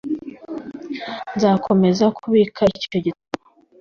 nzakomeza kubika icyo gitabo